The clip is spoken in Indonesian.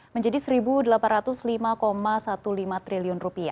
menjadi rp satu delapan ratus lima lima belas triliun